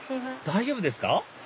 大丈夫ですか？